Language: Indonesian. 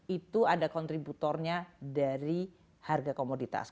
itu ada kontributornya dari harga komoditas